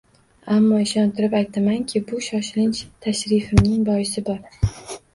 Ammo, ishontirib aytamanki, bu shoshilinch tashrifimning boisi bor.